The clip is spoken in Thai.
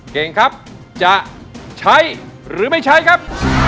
เก่งครับจะใช้หรือไม่ใช้ครับ